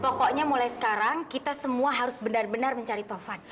pokoknya mulai sekarang kita semua harus benar benar mencari tovan